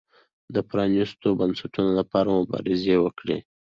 د پرانیستو بنسټونو لپاره مبارزه وکړي.